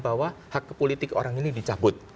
bahwa hak dan kepolitik orang ini dicabut